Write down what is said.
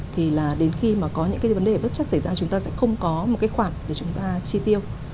thì là đến khi mà có những cái vấn đề bất chắc xảy ra chúng ta sẽ không có một cái khoản để chúng ta chi tiêu